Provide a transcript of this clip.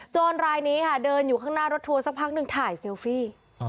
รายนี้ค่ะเดินอยู่ข้างหน้ารถทัวร์สักพักหนึ่งถ่ายเซลฟี่